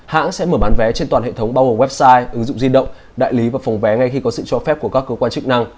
hãng sẽ mở bán vé trên toàn hệ thống bao gồm website ứng dụng di động đại lý và phòng vé ngay khi có sự cho phép của các cơ quan chức năng